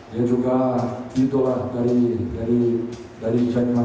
dia juga idol dari jerman